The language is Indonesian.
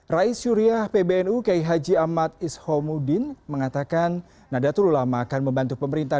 raisyuriah pbnu k h amad ishamuddin mengatakan nadatul ulama akan membantu pemerintah